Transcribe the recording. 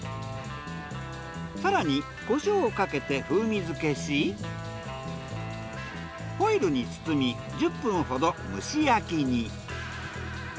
更にコショウをかけて風味づけしホイルに包み１０分ほど蒸し焼きに。